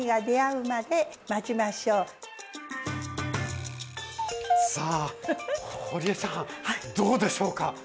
どうでしょうか。